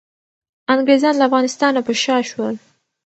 انګریزان له افغانستان نه په شا شول.